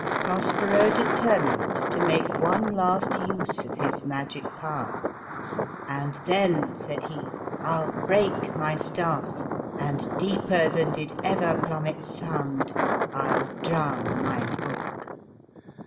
Prospero determined to make one last use of his magic power, and then," said he, "I'll break my staff and deeper than did ever plummet sound I'll drown my book."